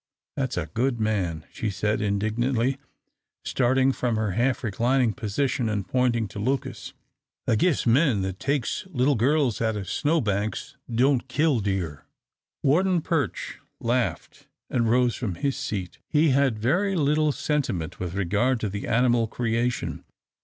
"That's a good man," she said, indignantly, starting from her half reclining position and pointing to Lucas. "I guess men that takes little girls out o' snow banks don't kill deer." Warden Perch laughed and rose from his seat. He had very little sentiment with regard to the animal creation.